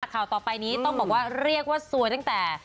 ข่าวต่อไปนี้ต้องบอกว่าเรียกว่าซวยตั้งแต่